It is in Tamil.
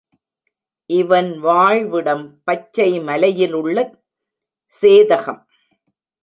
இவன் வாழ்விடம் பச்சை மலையிலுள்ள சேதகம்.